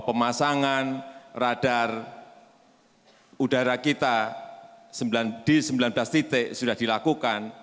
pemasangan radar udara kita di sembilan belas titik sudah dilakukan